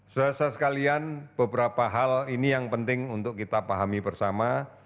saudara saudara sekalian beberapa hal ini yang penting untuk kita pahami bersama